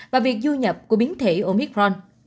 và việc du nhập của biến thể omicron